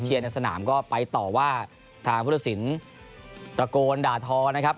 เชียร์ในสนามก็ไปต่อว่าทางภูรสินตะโกนด่าท้อนะครับ